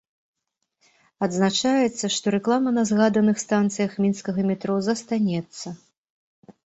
Адзначаецца, што рэклама на згаданых станцыях мінскага метро застанецца.